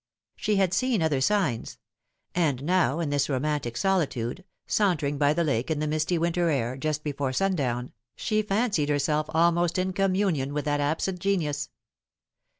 She had seen other signs ; and now in this romantic solitude, sauntering by the lake in the misty winter air, just before sundown, she fancied herself almost in communion with that absent genius.